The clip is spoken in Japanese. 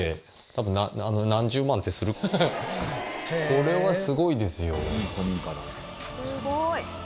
これはすごいですよとにかく。